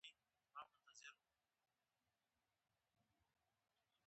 او زوړ هېروي چې ځواني په رښتیا څنګه تېره شوه.